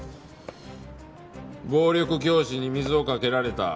「暴力教師に水をかけられた」